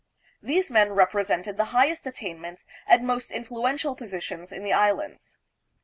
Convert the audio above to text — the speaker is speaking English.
These men represented the highest attainments and most influential po sitions in the Islands.